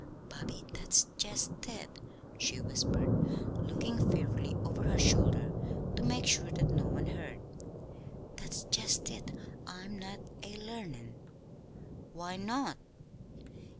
"Bobby, that's just it," she whispered, looking fearfully over her shoulder to make sure that no one heard. "That's just it I'm not a learnin'!" "Why not?"